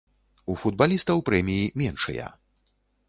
У футбалістаў прэміі меншыя.